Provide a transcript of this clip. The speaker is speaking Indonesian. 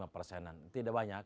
lima persenan tidak banyak